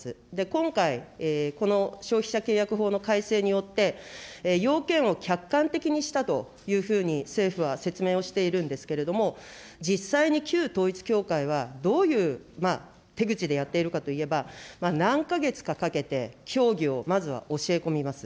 今回、この消費者契約法の改正によって、要件を客観的にしたというふうに政府は説明をしているんですけれども、実際に旧統一教会は、どういう手口でやっているかといえば、何か月かかけて、教義をまずは教え込みです。